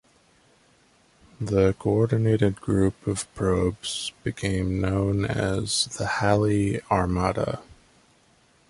The coordinated group of probes became known as the Halley Armada.